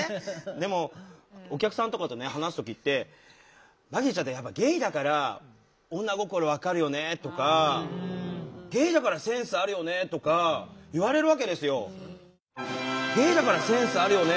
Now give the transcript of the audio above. でもお客さんとかと話す時って「バギーちゃんってやっぱゲイだから女心分かるよね」とか「ゲイだからセンスあるよね」とか言われるわけですよ。